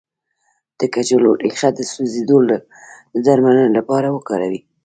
د کچالو ریښه د سوځیدو د درملنې لپاره وکاروئ